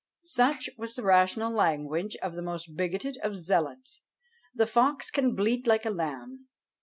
" Such was the rational language of the most bigoted of zealots! The fox can bleat like the lamb.